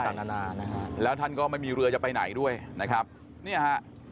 ต่างนานานะฮะแล้วท่านก็ไม่มีเรือจะไปไหนด้วยนะครับเนี่ยฮะ